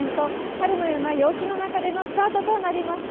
春のような陽気の中でのスタートとなりました。